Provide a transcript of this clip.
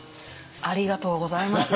ありがとうございます